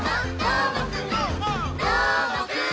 「どーもくん！」